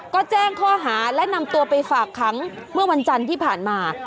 ก็แจ้งข้อหาและนำตัวไปฝากขังเมื่อวันจันทร์ที่ผ่านมา